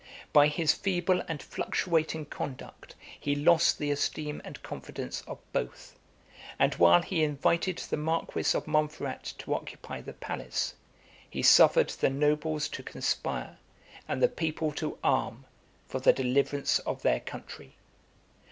74 By his feeble and fluctuating conduct he lost the esteem and confidence of both; and, while he invited the marquis of Monferrat to occupy the palace, he suffered the nobles to conspire, and the people to arm, for the deliverance of their country.